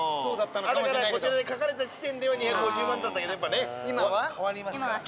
だからこちらで書かれた時点では２５０万だったけどやっぱね。